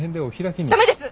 駄目です！